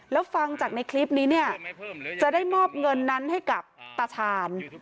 แล้วฟังจากในคลิปนี้เนี่ยจะได้มอบเงินนั้นให้กับตาชาญ